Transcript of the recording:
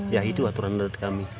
ya itu aturan dari kami